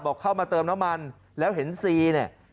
เข้ามาเติมน้ำมันแล้วเห็นซีเนี่ย